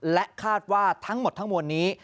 และคาดว่าทั้งหมดทั้งมวลนี้